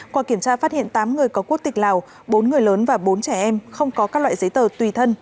qua kiểm tra phát hiện tám người có quốc tịch lào bốn người lớn và bốn trẻ em không có các loại giấy tờ tùy thân